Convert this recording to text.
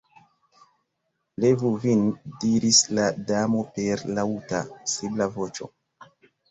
"Levu vin," diris la Damo per laŭta, sibla voĉo.